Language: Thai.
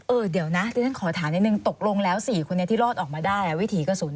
เออเดี๋ยวนะดิฉันขอถามนิดนึงตกลงแล้ว๔คนนี้ที่รอดออกมาได้วิถีกระสุน